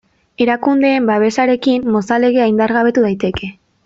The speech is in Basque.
Erakundeen babesarekin Mozal Legea indargabetu daiteke.